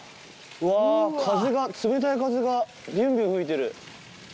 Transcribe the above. わー、風が、冷たい風がびゅんびゅん吹いてる。